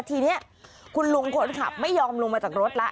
ทีนี้คุณลุงคนขับไม่ยอมลงมาจากรถแล้ว